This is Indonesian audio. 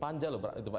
panja loh itu pak